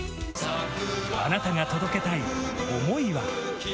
あなたが届けたい想いは？